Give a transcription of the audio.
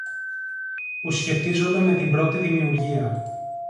που σχετίζονται με την πρώτη δημιουργία,